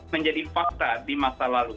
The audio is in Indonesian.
menjadi fakta di masa lalu